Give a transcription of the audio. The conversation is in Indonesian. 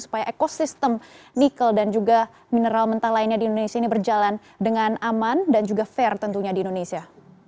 supaya ekosistem nikel dan juga mineral mentah lainnya di indonesia ini berjalan dengan aman dan juga fair tentunya di indonesia